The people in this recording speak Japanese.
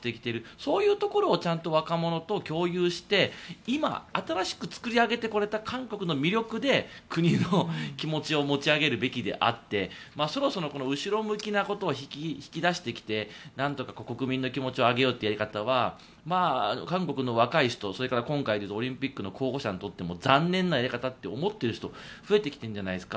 そういうところを若者と共有して今、新しく作り上げてこれた韓国の魅力で国の気持ちを持ち上げるべきであってそろそろ後ろ向きなことを引き出してきてなんとか国民の気持ちを上げようというやり方は韓国の若い人それから今回で言うとオリンピックの候補者についても残念なやり方って思ってる人増えてきているんじゃないですか。